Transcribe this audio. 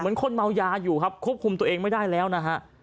คนเมายาอยู่ครับควบคุมตัวเองไม่ได้แล้วนะฮะ